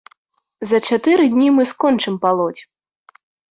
За чатыры дні мы скончым палоць.